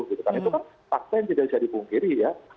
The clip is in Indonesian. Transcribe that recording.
karena itu kan fakta yang tidak bisa dipungkiri